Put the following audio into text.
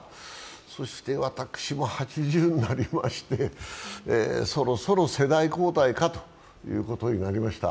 そして私も８０になりまして、そろそろ世代交代かということになりました。